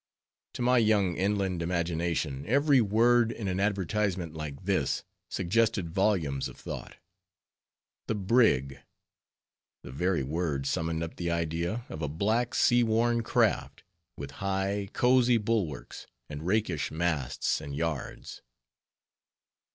_ To my young inland imagination every word in an advertisement like this, suggested volumes of thought. A brig! The very word summoned up the idea of a black, sea worn craft, with high, cozy bulwarks, and rakish masts and yards.